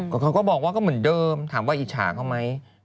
เขาก็บอกว่าก็เหมือนเดิมถามว่าอิจฉาเขาไหม